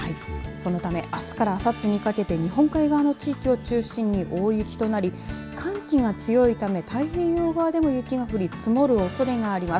そのため、あすからあさってにかけて日本海側の地域を中心に大雪となり寒気が強いため太平洋側でも雪が降り積もるおそれがあります。